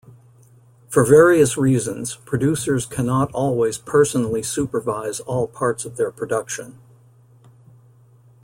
For various reasons, producers cannot always personally supervise all parts of their production.